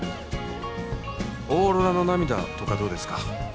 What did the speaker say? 「『オーロラの涙』とかどうですか？」